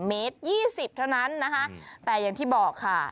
เมตร๒๐เท่านั้นนะคะแต่อย่างที่บอกค่ะ